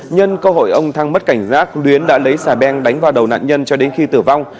nhân cơ hội ông thăng mất cảnh giác luyến đã lấy xà beng đánh vào đầu nạn nhân cho đến khi tử vong